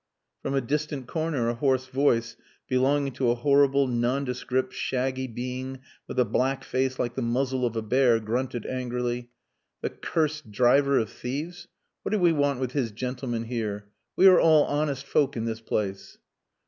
From a distant corner a hoarse voice belonging to a horrible, nondescript, shaggy being with a black face like the muzzle of a bear grunted angrily "The cursed driver of thieves. What do we want with his gentlemen here? We are all honest folk in this place."